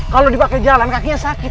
kalo dipake jalan kakinya keren banget